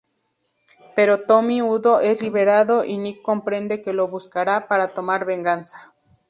Pero Tommy Udo es liberado, y Nick comprende que lo buscará para tomar venganza.